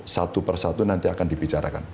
satu persatu nanti akan dibicarakan